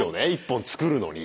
１本作るのに。